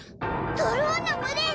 ドローンの群れ！